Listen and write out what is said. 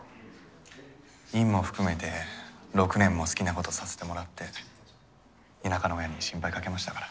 院も含めて６年も好きなことさせてもらって田舎の親に心配かけましたから。